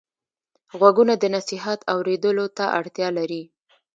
غوږونه د نصیحت اورېدلو ته اړتیا لري